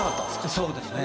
そうですね。